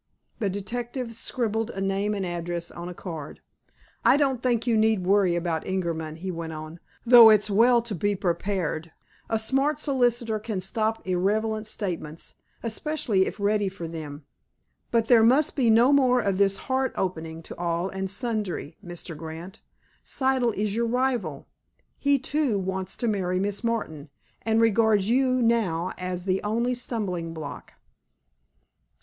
The detective scribbled a name and address on a card. "I don't think you need worry about Ingerman," he went on, "though it's well to be prepared. A smart solicitor can stop irrelevant statements, especially if ready for them. But there must be no more of this heart opening to all and sundry, Mr. Grant. Siddle is your rival. He, too, wants to marry Miss Martin, and regards you now as the only stumbling block."